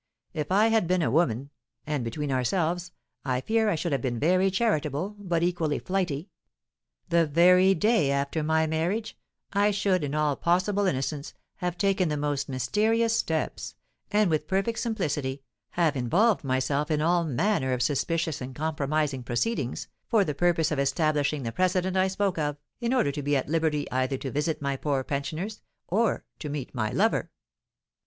If I had been a woman, and, between ourselves, I fear I should have been very charitable, but equally flighty, the very day after my marriage I should, in all possible innocence, have taken the most mysterious steps, and, with perfect simplicity, have involved myself in all manner of suspicious and compromising proceedings, for the purpose of establishing the precedent I spoke of, in order to be at liberty either to visit my poor pensioners or to meet my lover."